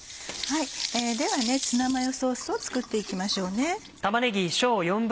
ではツナマヨソースを作っていきましょうね。